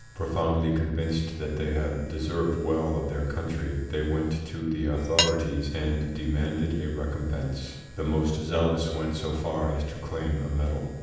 Profoundly convinced that they have deserved well of their country, they went to the authorities and demanded a recompense. The most zealous went so far as to claim a medal.